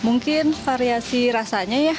mungkin variasi rasanya ya